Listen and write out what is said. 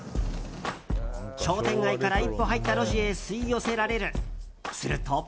商店街から一歩入った路地へ吸い寄せられる。